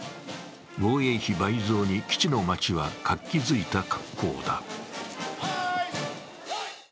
防衛費倍増に基地の街は活気づいた格好だ。